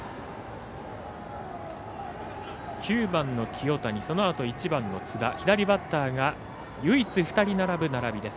９番の清谷、そのあと１番の津田左バッターが唯一、２人並ぶ並び。